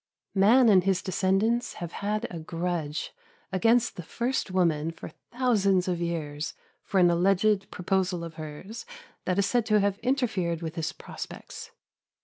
Man and his descendants have had a grudge against the first woman for thousands of years, for an alleged proposal of hers that is said to have interfered with his prospects.